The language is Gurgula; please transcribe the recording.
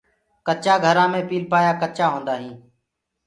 ڪچآ گھرآ مي پيلپآيآ ڪچآ هوندآ هينٚ۔